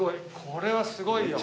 これはすごいよ。